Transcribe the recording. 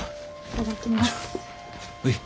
頂きます。